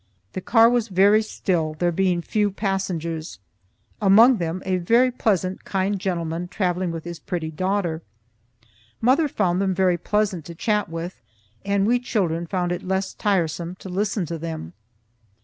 The car was very still, there being few passengers, among them a very pleasant kind gentleman travelling with his pretty daughter. Mother found them very pleasant to chat with, and we children found it less tiresome to listen to them.